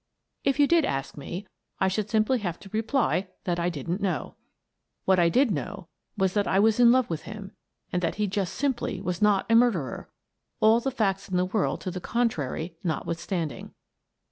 If you did ask me, I should simply have to reply that I didn't know. What I did know was that I was in love with him and that he just simply was not a murderer, all the facts in the world to the contrary notwithstanding.